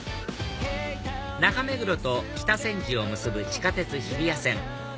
中目黒と北千住を結ぶ地下鉄日比谷線